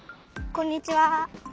こんにちは。